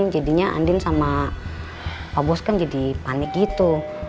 jadinya andin sama pak bos kan jadi panik gitu